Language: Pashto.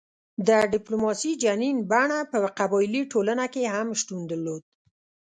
د ډیپلوماسي جنین بڼه په قبایلي ټولنه کې هم شتون درلود